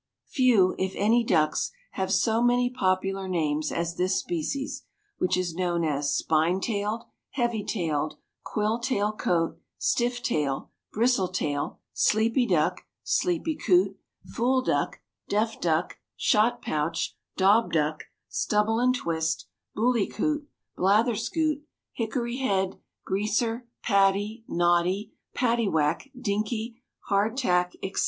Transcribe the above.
_) Few, if any, ducks have so many popular names as this species, which is known as spine tailed, heavy tailed, quill tail coot, stiff tail, bristle tail, sleepy duck, sleepy coot, fool duck, deaf duck, shot pouch, daub duck, stubble and twist, booly coot, blather scoot, hickory head, greaser, paddy, noddy, paddy whack, dinkey, hard tack, etc.